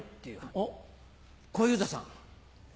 あっ小遊三さん。